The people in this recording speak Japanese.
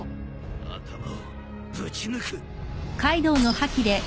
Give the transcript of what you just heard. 頭をぶち抜く！